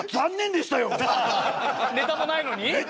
ネタもないのに？